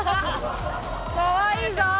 「かわいいぞ」